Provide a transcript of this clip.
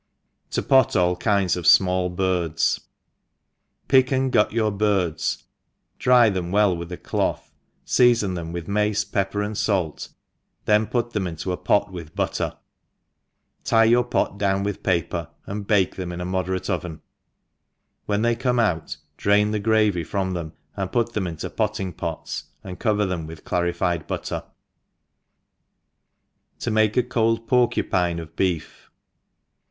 TV r ENGLISH HOUSE KEEPER. 299 1*0 pot all Kinds of/mall Birds. PICK arid gut your birds, dry them well with a cloth, feafon them with mace, pepper, and Talt, then put them into a pot with butter, tie your pot down with paper, and bake them in a moderate oven ; when they come out, draia the gravy from them, and put them into potting pots^ and cover them with carified btitter« To make a cold Porcupinb of Beef.